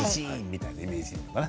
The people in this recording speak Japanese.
みたいなイメージかな。